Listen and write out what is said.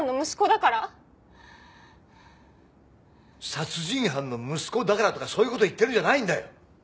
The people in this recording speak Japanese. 殺人犯の息子だからとかそういう事を言ってるんじゃないんだよ！